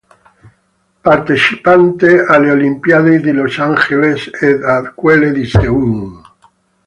Partecipante alle Olimpiadi di Los Angeles ed a quelle di Seul.